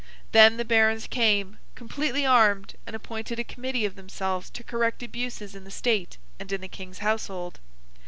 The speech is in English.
Then, the Barons came, completely armed, and appointed a committee of themselves to correct abuses in the state and in the King's household.